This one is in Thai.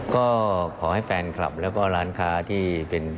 ก็ขอให้แฟนคลับแล้วก็ร้านค้าที่เป็น